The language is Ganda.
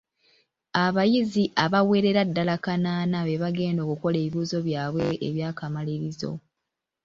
Abayizi abawerera ddala kanaana bebagenda okukola ebibuuzo byabwe ebyakamalirizo.